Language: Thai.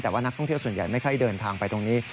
แต่ว่านักท่องเที่ยวส่วนใหญ่ไม่ค่อยเดินทางไปตรงนี้